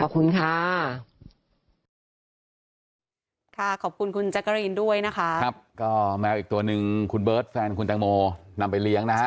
ขอบคุณค่ะ